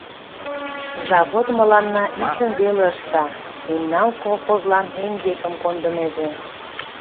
Завод мыланна ӱчым веле ышта, мемнан колхозлан эҥгекым кондынеже.